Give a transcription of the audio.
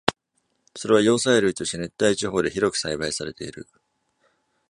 それは葉菜類として熱帯地方で広く栽培されている。